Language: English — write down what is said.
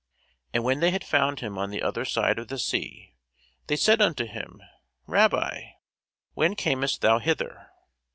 And when they had found him on the other side of the sea, they said unto him, Rabbi, when camest thou hither?